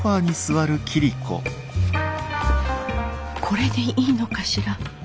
これでいいのかしら。